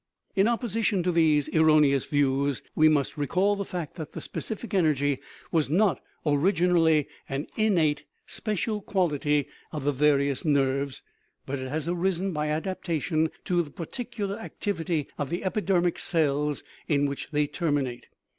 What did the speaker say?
In opposition to these erroneous views, we must re call the fact that the "specific energy" was not orig inally an innate, special quality of the various nerves, but it has arisen by adaptation to the particular ac tivity of the epidermic cells in which they terminate.